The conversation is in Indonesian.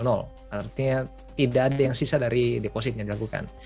artinya tidak ada yang sisa dari depositnya dilakukan